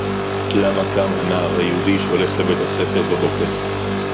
לְמה קם הנער היהודי שהולך לבית-הספר בבוקר